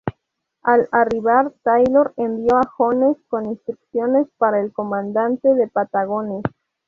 Al arribar Taylor envió a Jones con instrucciones para el comandante de Patagones.